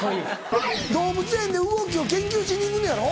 動物園で動きを研究しに行くのやろ？